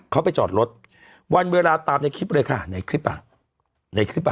เขาไปจอดรถวันเวลาตามในคลิปเลยค่ะในคลิปอ่ะในคลิปอ่ะ